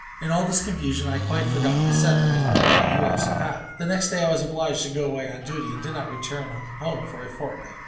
In all this confusion I quite forgot my setter, as no doubt you also have. The next day I was obliged to go away on duty, and did not return home for a fortnight.